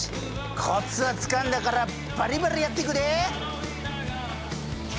コツはつかんだからバリバリやってくで！